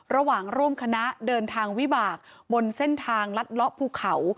ร่วมคณะเดินทางวิบากบนเส้นทางลัดเลาะภูเขา